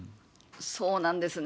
そうなんですね。